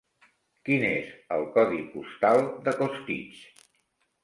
Quin és el codi postal de Costitx?